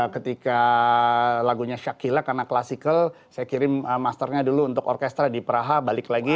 ketika lagunya shakila karena klasikal saya kirim masternya dulu untuk orkestra di praha balik lagi